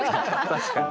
確かに。